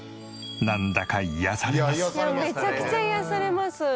なんだか癒やされます。